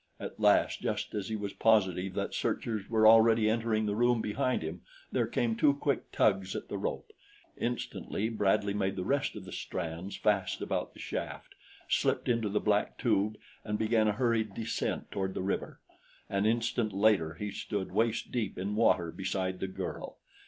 At last, just as he was positive that searchers were already entering the room behind him, there came two quick tugs at the rope. Instantly Bradley made the rest of the strands fast about the shaft, slipped into the black tube and began a hurried descent toward the river. An instant later he stood waist deep in water beside the girl.